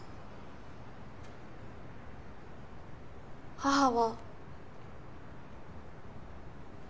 母は。